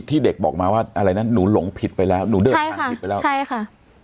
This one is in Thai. ที่เด็กบอกมาว่าอะไรนะหนูหลงผิดไปแล้วหนูเดินใช่ค่ะ